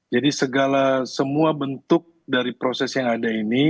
jadi segala semua bentuk dari proses yang ada ini